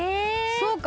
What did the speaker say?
そうか。